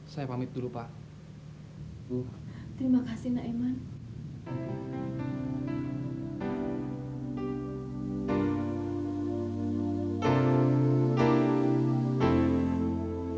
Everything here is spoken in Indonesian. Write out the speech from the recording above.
saya pamit dulu pak